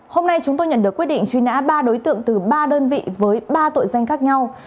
hôm nay chúng tôi nhận được quyết định truy nã ba đối tượng từ ba đơn vị với ba tội danh khác nhau